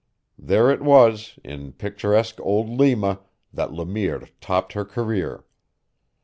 There it was, in picturesque old Lima, that Le Mire topped her career.